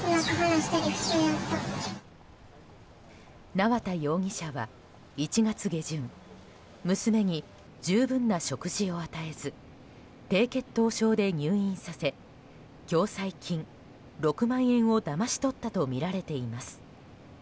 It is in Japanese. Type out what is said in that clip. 縄田容疑者は１月下旬娘に十分な食事を与えず低血糖症で入院させ共済金６万円をだまし取ったとみられています。